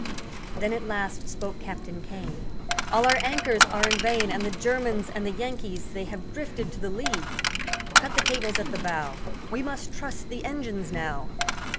Then at last spoke Captain Kane, 'All our anchors are in vain, And the Germans and the Yankees they have drifted to the lee! Cut the cables at the bow! We must trust the engines now!